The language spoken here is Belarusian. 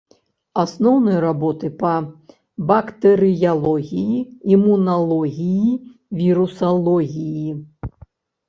Асноўныя работы па бактэрыялогіі, імуналогіі, вірусалогіі.